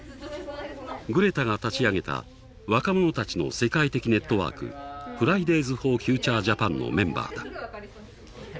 グレタが立ち上げた若者たちの世界的ネットワーク「フライデーズ・フォー・フューチャー・ジャパン」のメンバーだ。